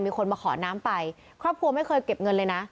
มีคนมาขอน้ำไปครอบครัวไม่เคยเก็บเงินเลยนะ